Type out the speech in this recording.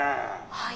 「はい。